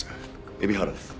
海老原です。